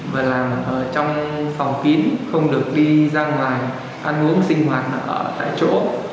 và làm trong phòng kín không được đi ra ngoài ăn uống sinh hoạt ở tại chỗ